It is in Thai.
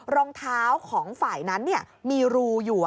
รองเท้าของฝ่ายนั้นมีรูอยู่